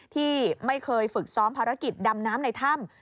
ที่ไม่เคยฝึกซ้อมภารกิจดำน้ำในถ้ำ